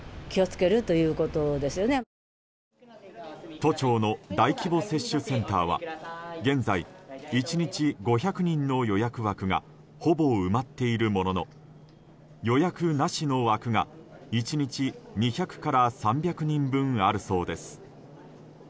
都庁の大規模接種センターは現在、１日５００人の予約枠がほぼ埋まっているものの予約なしの枠が１日２００から３００人分あるそうです。